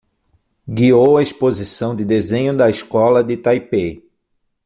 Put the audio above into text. Guiou a exposição de desenho da escola de Taipei